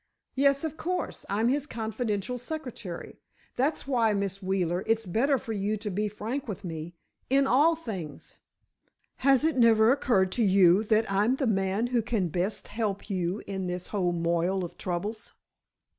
"Yes, of course, I'm his confidential secretary. That's why, Miss Wheeler, it's better for you to be frank with me—in all things. Has it never occurred to you that I'm the man who can best help you in this whole moil of troubles?"